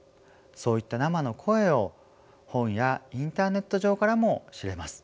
そういった生の声を本やインターネット上からも知れます。